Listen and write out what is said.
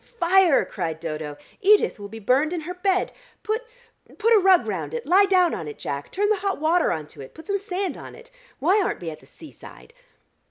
"Fire!" cried Dodo, "Edith will be burned in her bed. Put put a rug round it! Lie down on it, Jack! Turn the hot water on to it! Put some sand on it! Why aren't we at the seaside?"